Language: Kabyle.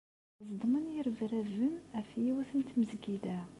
Ẓedmen yirebraben ɣef yiwet n tmesgida.